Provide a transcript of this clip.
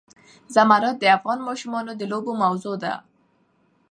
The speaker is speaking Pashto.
زمرد د افغان ماشومانو د لوبو موضوع ده.